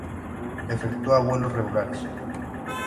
Efectúa vuelos regulares.